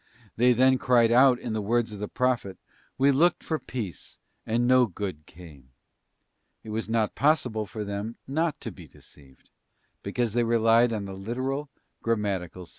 They then cried out in the words of the Prophet, ' We looked for peace, and no good came.'t It was not possible for them not to be deceived, because they relied on the literal, grammatical sense.